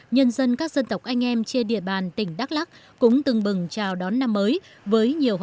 nhân dân các dân tộc anh em trên địa bàn tỉnh đắk lắc cũng từng bừng chào đón năm mới với nhiều hoạt động